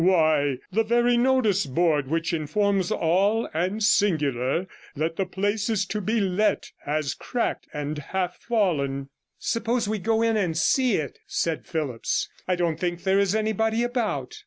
Why, the very notice board, which informs all and singular that the place is to be let, has cracked and half fallen,' 144 'Suppose we go in and see it,' said Phillipps; 'I don't think there is anybody about.'